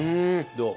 どう？